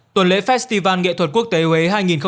tuần lễ festival nghệ thuật quốc tế huế hai nghìn hai mươi bốn